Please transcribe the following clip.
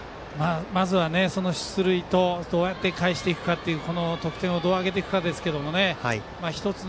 まずは出塁とどうやってかえしていくかこの得点をどう挙げていくかですけどね。